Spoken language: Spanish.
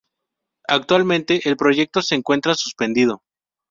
Actualmente el proyecto se encuentra suspendido.